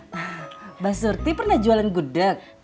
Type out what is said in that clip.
mbak surti pernah jualan gudeg